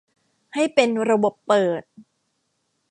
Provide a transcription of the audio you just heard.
ให้เป็นระบบเปิด